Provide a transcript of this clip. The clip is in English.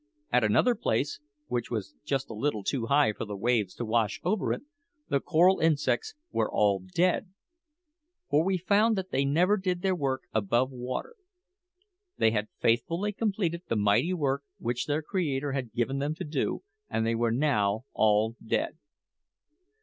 At another place, which was just a little too high for the waves to wash over it, the coral insects were all dead; for we found that they never did their work above water. They had faithfully completed the mighty work which their Creator had given them to do, and they were now all dead.